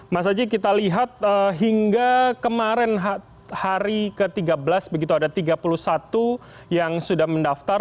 mas aji kita lihat hingga kemarin hari ke tiga belas begitu ada tiga puluh satu yang sudah mendaftar